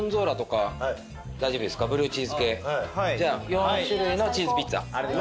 ４種類のチーズピッツァ。